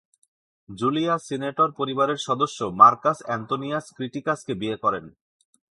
Julia senator পরিবারের সদস্য Marcus Antonius ক্রিটিকাসকে বিয়ে করেন।